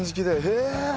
へえ！